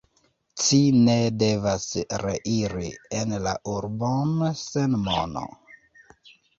Ci ne devas reiri en la urbon sen mono.